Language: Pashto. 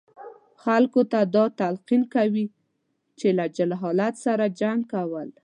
خلکو ته دا تلقین ورکوي چې له جهالت سره جنګ کول.